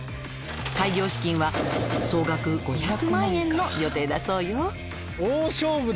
「開業資金は総額５００万円の予定だそうよ」